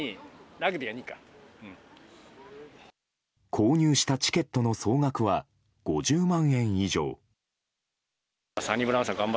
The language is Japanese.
購入したチケットの総額は５０万円以上。